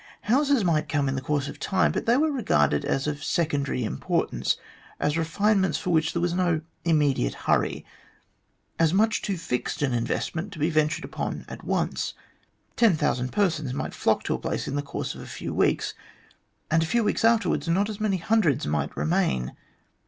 Houses might come in the course of time, but they were regarded as of secondary importance, as refinements for which there was no immediate hurry, as much too fixed an investment to be ventured upon at once. Ten thousand persons might flock to a place in the course of a few weeks, and a few weeks afterwards not as many hundreds might remain.